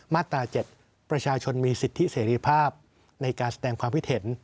มาตรา๗ประชาชนมีสิทธิเสรีภาพในการแสดงความคิดเห็น